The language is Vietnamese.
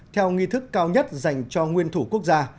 theo nghi thức cao nhất dành cho nguyên thủ quốc gia